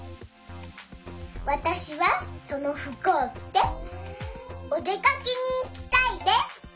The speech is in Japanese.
わたしはそのふくをきておでかけにいきたいです。